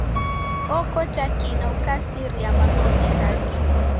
Okota kina ukasiria magome ghake.